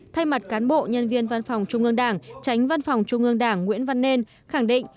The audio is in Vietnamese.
thay mặt cán bộ nhân viên văn phòng trung ương đảng tránh văn phòng trung ương đảng nguyễn văn nên khẳng định